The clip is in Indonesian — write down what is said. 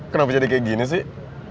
kenapa jadi kayak gini sih